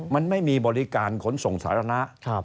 มันไม่มีบริการขนส่งสาธารณะ